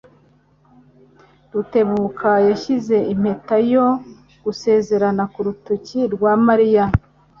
Rutebuka yashyize impeta yo gusezerana ku rutoki rwa Mariya.